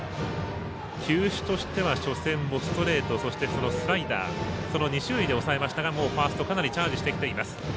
球種としては初戦もストレートそしてスライダーその２種類で抑えましたがもうファーストかなりチャージしてきています。